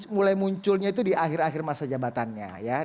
mulai munculnya itu di akhir akhir masa jabatannya